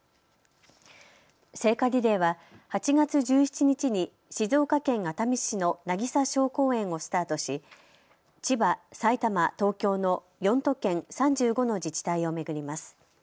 聖火リレーは８月１７日に静岡県熱海市の渚小公園をスタートし千葉、埼玉、東京の４都県３５の自治体を巡ります。